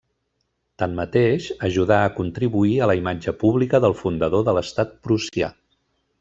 Tanmateix, ajudà a contribuir a la imatge pública del fundador de l'Estat prussià.